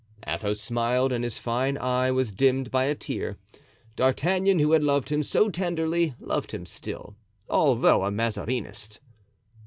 Athos smiled, and his fine eye was dimmed by a tear. D'Artagnan, who had loved him so tenderly, loved him still, although a Mazarinist.